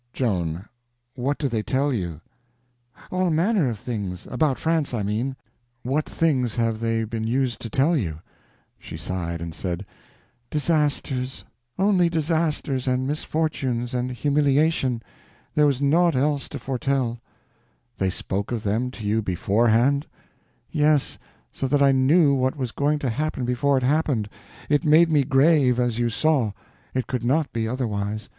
"Joan, what do they tell you?" "All manner of things—about France, I mean." "What things have they been used to tell you?" She sighed, and said: "Disasters—only disasters, and misfortunes, and humiliation. There was naught else to foretell." "They spoke of them to you beforehand?" "Yes. So that I knew what was going to happen before it happened. It made me grave—as you saw. It could not be otherwise.